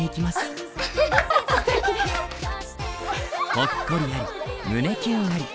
ほっこりあり胸キュンあり。